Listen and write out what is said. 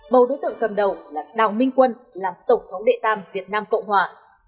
bầu đối tượng cầm đầu là đào minh quân làm tổng thống đệ tam việt nam cộng hòa